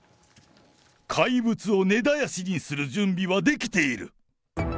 怪物を根絶やしにする準備はできている。